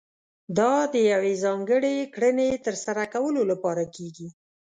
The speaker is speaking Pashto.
دا د يوې ځانګړې کړنې ترسره کولو لپاره کېږي.